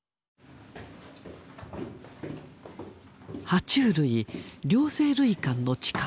は虫類・両生類館の地下。